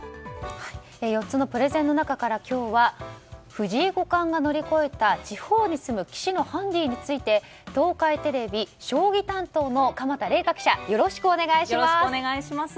４つのプレゼンの中から今日は藤井五冠が乗り越えた地方に住む棋士のハンディについて東海テレビ将棋担当の鎌田麗香記者よろしくお願いします。